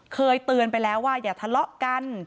เคยเตือนไปแล้วว่าอย่าทะเลาะกัน